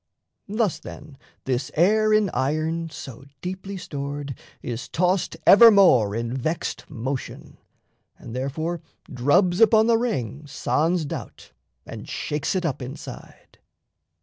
Thus, then, this air in iron so deeply stored Is tossed evermore in vexed motion, And therefore drubs upon the ring sans doubt And shakes it up inside....